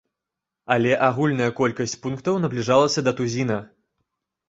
Але агульная колькасць пунктаў набліжалася да тузіна.